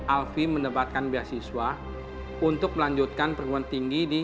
alfi mendebatkan beasiswa untuk melanjutkan perguruan tinggi di